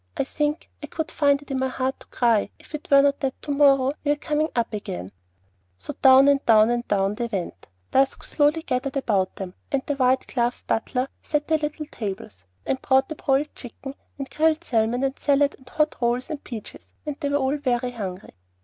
"I think I could find it in my heart to cry, if it were not that to morrow we are coming up again." So down, down, down they went. Dusk slowly gathered about them; and the white gloved butler set the little tables, and brought in broiled chicken and grilled salmon and salad and hot rolls and peaches, and they were all very hungry.